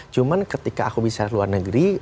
cuma ketika aku bisa di luar negeri